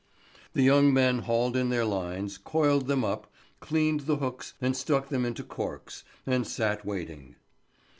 The young men hauled in their lines, coiled them up, cleaned the hooks and stuck them into corks, and sat waiting.